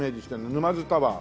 沼津タワー？